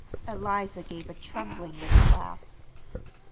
Eliza gave a trembling little laugh.